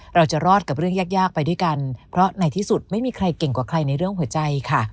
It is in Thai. เราจะรอดกับเรื่องยากยากไปด้วยกันเพราะในที่สุดไม่มีใครเก่งกว่าใครในเรื่องหัวใจค่ะ